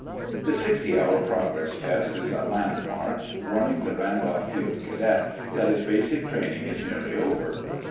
The sixty hour progress test is a landmark, warning the Randolph Field Cadet that his basic training is nearly over.